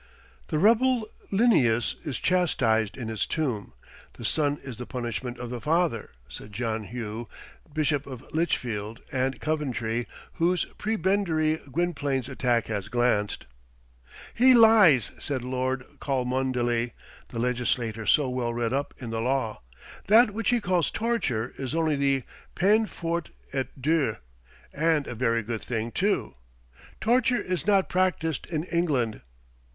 "The rebel Linnæus is chastised in his tomb. The son is the punishment of the father," said John Hough, Bishop of Lichfield and Coventry, whose prebendary Gwynplaine's attack had glanced. "He lies!" said Lord Cholmondeley, the legislator so well read up in the law. "That which he calls torture is only the peine forte et dure, and a very good thing, too. Torture is not practised in England."